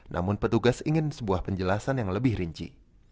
namun petugas ingin sebuah penjelasan yang lebih rinci